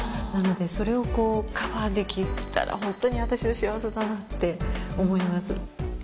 なのでそれをこうカバーできたらホントに私は幸せだなって思います。